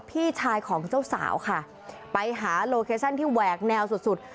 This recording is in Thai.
พี่ชายของเจ้าสาวค่ะไปหาโลเคชั่นที่แหวกแนวสุดสุด